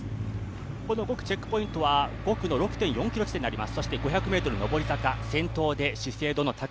このチェックポイントは５区の４ｋｍ地点になります。